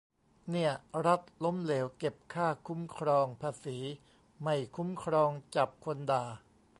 เนี่ย รัฐล้มเหลว เก็บค่าคุ้มครองภาษี ไม่คุ้มครอง จับคนด่า